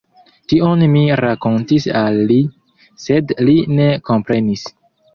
Tion mi rakontis al li, sed li ne komprenis.